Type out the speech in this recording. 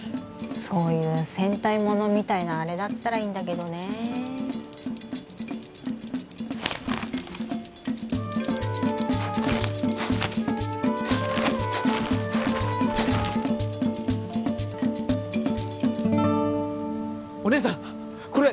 そういう戦隊ものみたいなあれだったらいいんだけどねお姉さんこれ！